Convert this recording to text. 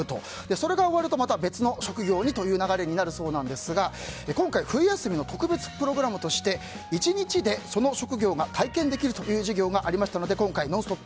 それが終わると、また別の職業にという流れになるそうなんですが今回、冬休みの特別プログラムとして１日でその職業が体験できるという授業がありましたので今回、「ノンストップ！」